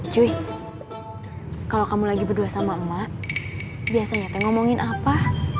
cuy kalo kamu lagi berdua sama emak biasanya teh ngomongin apa